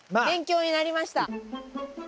勉強になりました。